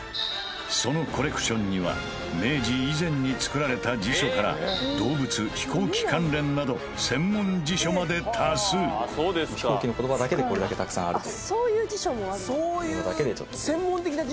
そのコレクションには明治以前に作られた辞書から動物飛行機関連など専門辞書まで多数さぁ果たしてうんしたことあるよ